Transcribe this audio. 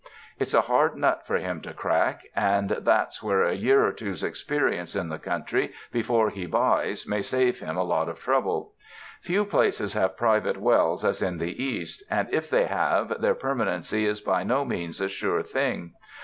It's a hard nut for him to crack, and that's where a year or two's experience in the coun try before he buys may save him a lot of trouble. Few places have private wells as in the East, and if they have, their permanency is by no means a sure thing.